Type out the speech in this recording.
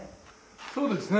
そうですね。